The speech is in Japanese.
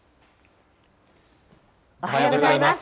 おはようございます。